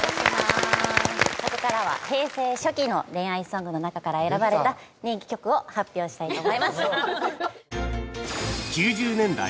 ここからは平成初期の恋愛ソングの中から選ばれた人気曲を発表したいと思います。